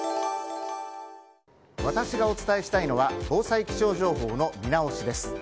私がお伝えしたいのは防災気象情報の見直しです。